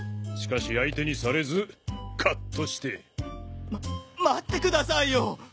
しかし相手にされずカッとして。ま待ってくださいよ！